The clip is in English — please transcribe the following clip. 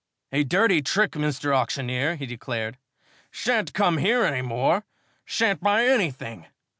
"A dirty trick, Mr. Auctioneer," he declared. "Shan't come here any more! Shan't buy anything!